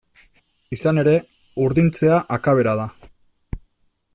Izan ere, urdintzea akabera da.